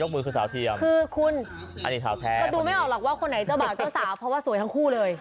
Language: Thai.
คือคุณก็ดูไม่ออกหรอกคนไหนจะบอกเจ้าสาวเพราะว่าสวยทั้งคู่เลย